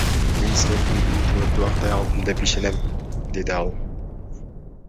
Мен силердин үмүтүңөрдү актай алдым деп ишенем, — деди ал.